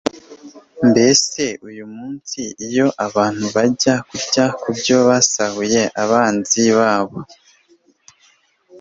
mbese uyu munsi, iyo abantu bajya kurya ku byo basahuye abanzi babo